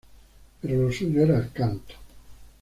Pero lo suyo era el canto.